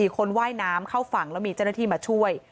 ๔คนว่ายน้ำเข้าฝั่งแล้วมีเจ้าหน้าที่มาช่วย